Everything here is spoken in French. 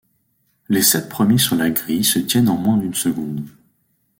Les sept premiers sur la grille se tiennent en moins d'une seconde.